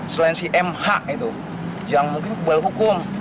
selain si mh itu yang mungkin boleh hukum